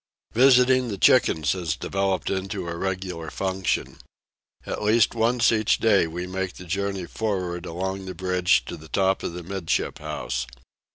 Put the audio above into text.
Visiting the chickens has developed into a regular function. At least once each day we make the journey for'ard along the bridge to the top of the 'midship house.